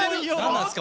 なんすか？